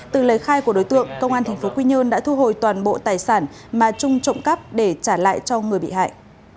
từ lời khai của đối tượng công an tp quy nhơn đã thu hồi toàn bộ tài sản mà trung trộm cắp để trả lại cho người bị hại